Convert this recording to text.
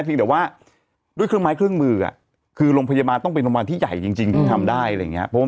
แต่ว่าด้วยเครื่องไม้เครื่องมือคือโรงพยาบาลต้องเป็นโรงพยาบาลที่ใหญ่จริงถึงทำได้อะไรอย่างนี้